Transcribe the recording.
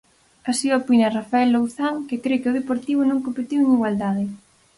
Así opina Rafael Louzán que cre que o Deportivo non competiu en igualdade.